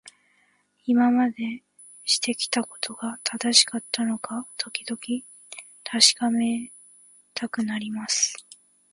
今までしてきたことが正しかったのかどうか、時々確かめたくなります。